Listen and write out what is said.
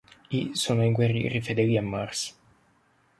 I sono i guerrieri fedeli a Mars.